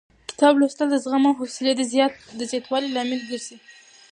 کتاب لوستل د زغم او حوصلې د زیاتوالي لامل ګرځي.